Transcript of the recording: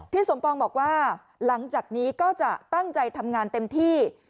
สมปองบอกว่าหลังจากนี้ก็จะตั้งใจทำงานเต็มที่